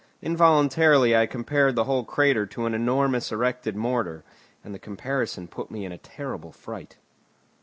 Involuntarily I compared the whole crater to an enormous erected mortar, and the comparison put me in a terrible fright.